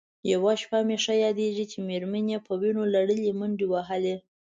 یوه شپه مې ښه یادېږي چې مېرمن یې په وینو لړلې منډې وهلې.